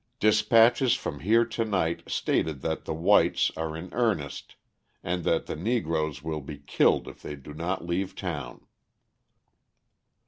Dispatches from here to night stated that the whites are in earnest, and that the Negroes will be killed if they do not leave town.